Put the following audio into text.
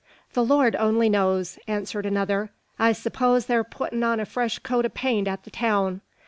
"The Lord only knows!" answered another. "I s'pose thar puttin' on a fresh coat o' paint at the town."